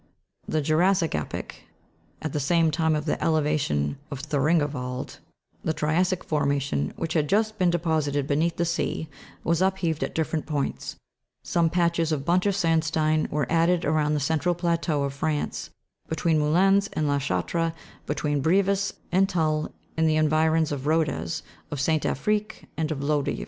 The jum'ssic epoch. At the time of the elevation of Thurin gerwald the tria'ssic formation, which had just been deposited beneath the sea, was upheaved at different points; some patches of banter sandstein were added around the central plateau of France, between Moulins and La Chatre, between Brives and Tulle, in the environs of Rodez, of Saint Affrique and of Lodeve.